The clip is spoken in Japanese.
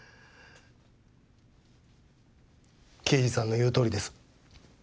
刑事さんの言うとおりです。